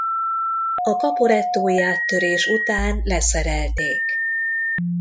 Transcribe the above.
A Caporettói áttörés után leszerelték.